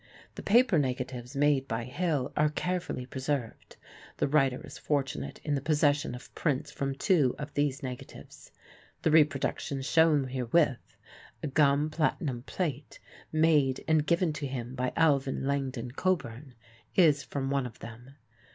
The paper negatives made by Hill are carefully preserved. The writer is fortunate in the possession of prints from two of these negatives. The reproduction shown herewith, a gum platinum plate made and given to him by Alvin Langdon Coburn, is from one of them.